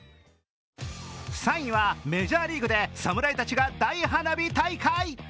３位はメジャーリーグで侍たちが大花火大会。